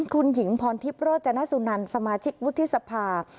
คุณหญิงพรทิพย์โรจนสุนันสมาชิกวุฒิสภา